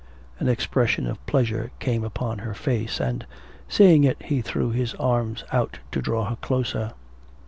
An expression of pleasure came upon her face, and, seeing it, he threw his arms out to draw her closer.